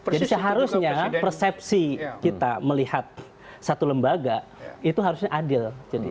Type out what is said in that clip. jadi seharusnya persepsi kita melihat satu lembaga itu harusnya adil